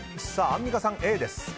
アンミカさん、Ａです。